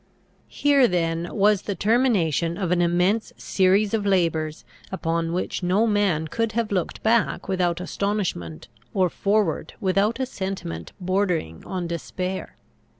Here then was the termination of an immense series of labours, upon which no man could have looked back without astonishment, or forward without a sentiment bordering on despair.